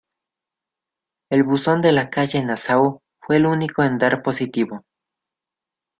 El buzón de la calle Nassau fue el único en dar positivo.